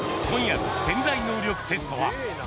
今夜の「潜在能力テスト」は。